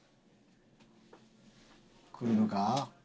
来るのか？